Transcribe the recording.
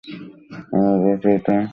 আমরা যা চাই, তা সুখও নয়, দুঃখও নয়।